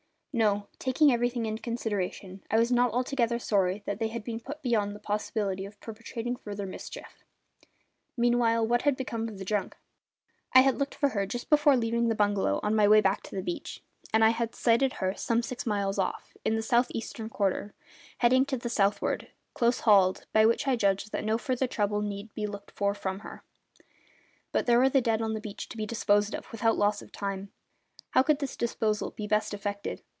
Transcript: No; taking everything into consideration I was not altogether sorry that they had been put beyond the possibility of perpetrating further mischief. Meanwhile, what had become of the junk? I had looked for her just before leaving the bungalow on my way back to the beach, and had sighted her, some six miles off, in the south eastern quarter, heading to the southward, close hauled, by which I judged that no further trouble need be looked for from her. But there were the dead on the beach to be disposed of, without loss of time. How could this disposal be best effected?